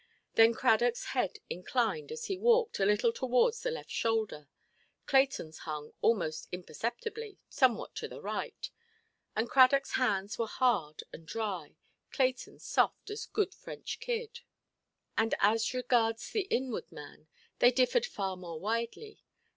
Then Cradockʼs head inclined, as he walked, a little towards the left shoulder; Claytonʼs hung, almost imperceptibly, somewhat to the right; and Cradockʼs hands were hard and dry, Claytonʼs soft as good French kid. And, as regards the inward man, they differed far more widely.